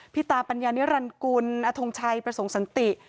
ตาปัญญานิรันกุลอทงชัยประสงค์สันติ